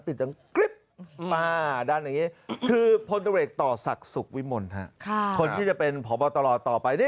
ปฎ่าน้อยอย่างงี้คือพลโทรเรคต่อศักดิ์สุขวิมลค่ะ